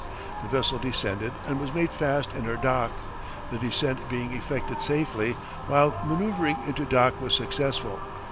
The vessel descended and was made fast in her dock, the descent being effected safely, while manoeuvring into dock was successful.